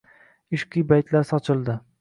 Ishqiy baytlar sochildi.